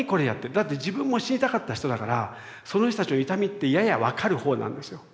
だって自分も死にたかった人だからその人たちの痛みってやや分かるほうなんですよ。